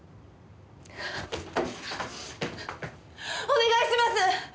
お願いします！